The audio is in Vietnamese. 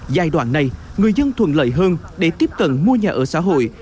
giai đoạn này người dân thuận lợi hơn để tiếp cận mua nhà ở xã hội